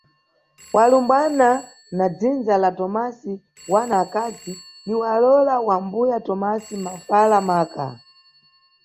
Walumbwana wa dzindza la Tomasi wana akazi, ni walowola wa mbuya Tomasi mafala maka.